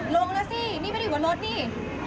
ลงแล้วสินี่ไม่อีกเวลารถนี่